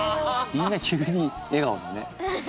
みんな急に笑顔だね。